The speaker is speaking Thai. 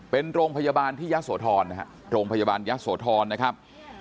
เป็นโรงพยาบาลที่ย่าสโทรณ์โรงพยาบาลย่าสโทรณ์นะครับ